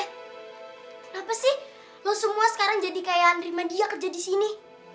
kenapa sih lu semua sekarang jadi kayak andri madia kerja di sini